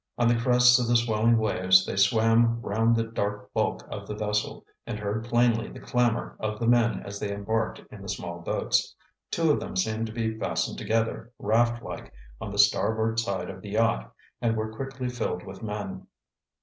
On the crests of the swelling waves they swam round the dark bulk of the vessel, and heard plainly the clamor of the men as they embarked in the small boats. Two of them seemed to be fastened together, raft like, on the starboard side of the yacht, and were quickly filled with men.